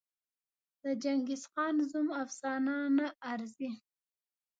د چنګېزخان زوم افسانه نه ارزي.